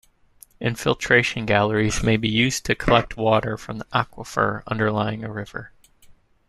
Infiltration galleries may be used to collect water from the aquifer underlying a river.